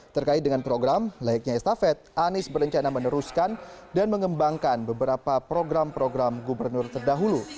terkait dengan program layaknya estafet anies berencana meneruskan dan mengembangkan beberapa program program gubernur terdahulu